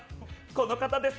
この方です。